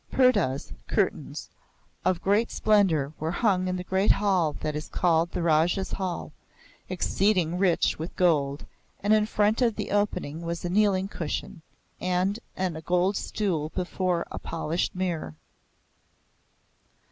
Purdahs [curtains] of great splendour were hung in the great Hall that is called the Raja's Hall, exceeding rich with gold, and in front of the opening was a kneeling cushion, and an a gold stool before it a polished mirror.